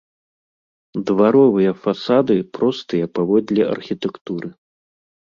Дваровыя фасады простыя паводле архітэктуры.